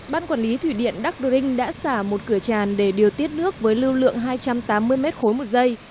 bán quản lý thủy điện đắc đinh đã xả một cửa tràn để điều tiết nước với lưu lượng hai trăm tám mươi m ba một giây